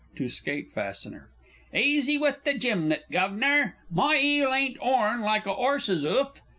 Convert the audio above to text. (To SKATE FASTENER.) Easy with that jimlet, Guv'nor. My 'eel ain't 'orn, like a 'orse's 'oof!